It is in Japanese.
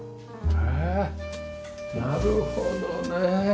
へえなるほどね。